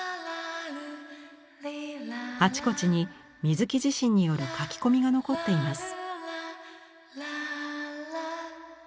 あちこちに水木自身による書き込みが残っています。